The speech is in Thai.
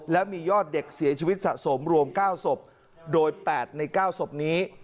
และมียอดเด็กเสียชีวิตสะสมรวม๙ศพโดย๘ใน๙ศพนี้